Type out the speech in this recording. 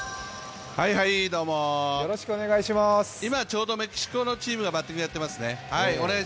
今、ちょうどメキシコのチームがバッティングやってます。